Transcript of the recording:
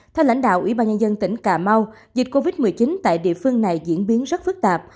theo lãnh đạo ủy ban nhân dân tỉnh cà mau dịch covid một mươi chín tại địa phương này diễn biến rất phức tạp